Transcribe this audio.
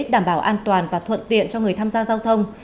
đảm bảo an toàn và thuận tiện cho người tham gia giao thông